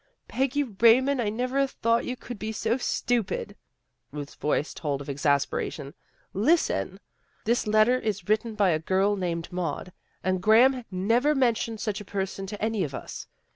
" Peggy Raymond, I never thought you could be so stupid." Ruth's voice told of exaspera tion. " Listen! This letter is written by a girl named Maud, and Graham never mentioned RUTH IS PERPLEXED 155 such a person to any of us.